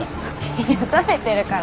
いや覚めてるから。